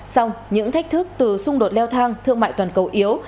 song những thách thức từ xung đột leo thang thương mại toàn cầu yếu